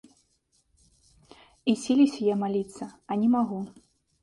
І сілюся я маліцца, а не магу.